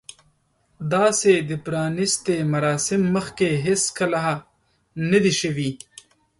داسې د پرانیستې مراسم مخکې هیڅکله نه دي شوي.